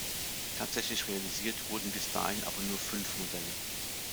Tatsächlich realisiert wurden bis dahin aber nur fünf Modelle.